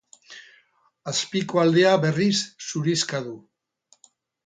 Azpiko aldea berriz zurixka du.